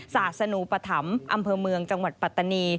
ศาสนูปธรรมอำเภอเมืองจังหวัดปัตตานี